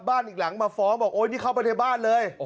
อีกหลังมาฟ้องบอกโอ๊ยนี่เข้าไปในบ้านเลย